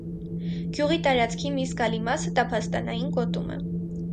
Գյուղի տարածքի մի զգալի մասը տափաստանային գոտում է։